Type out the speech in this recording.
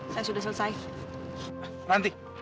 saya sudah selesai